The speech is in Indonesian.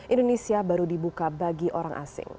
indonesia baru dibuka bagi orang asing